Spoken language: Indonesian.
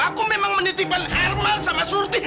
aku memang menitipkan arman sama surti